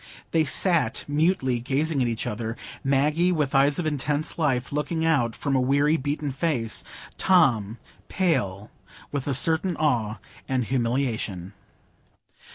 They sat mutely gazing at each other,—Maggie with eyes of intense life looking out from a weary, beaten face; Tom pale, with a certain awe and humiliation.